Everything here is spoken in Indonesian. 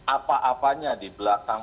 apa apanya di belakang